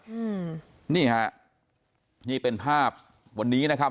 อืมนี่ฮะนี่เป็นภาพวันนี้นะครับ